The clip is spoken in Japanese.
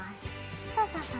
そうそうそう。